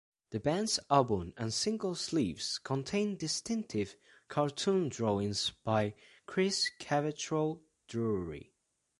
The band's album and single sleeves contain distinctive cartoon drawings by Chris Cavetroll Drury.